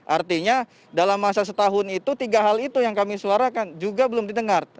artinya dalam masa setahun itu tiga hal itu yang kami suarakan juga belum didengar